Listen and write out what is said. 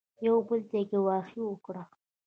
یو بل ته یې ګواښ وکړ.